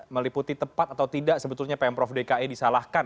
meliputi tepat atau tidak sebetulnya pm prof dki disalahkan